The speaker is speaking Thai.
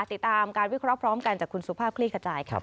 ติดตามการวิเคราะห์พร้อมกันจากคุณสุภาพคลี่ขจายครับ